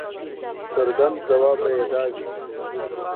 څرګند ځواب به یې دا وي.